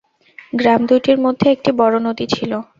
গ্রাম দুইটির মধ্যে একটি বড় নদী ছিল।